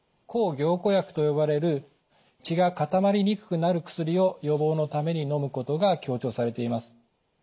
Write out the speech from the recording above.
抗凝固薬と呼ばれる血が固まりにくくなる薬を予防のためにのむことが強調されています。